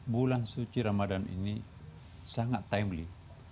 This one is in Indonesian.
bulan suci ramadhan ini sangat timely